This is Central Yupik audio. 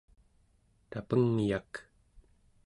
tapengyak